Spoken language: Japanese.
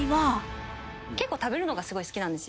結構食べるのがすごい好きなんですよ。